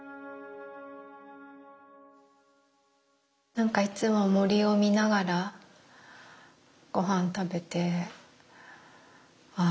なんかいつも森を見ながらごはん食べてああ